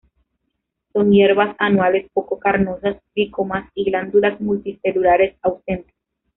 Son hierbas anuales poco carnosas, tricomas y glándulas multicelulares ausentes.